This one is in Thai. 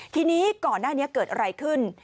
ทีนี้ก่อนหน้านี้เกิดอะไรขึ้น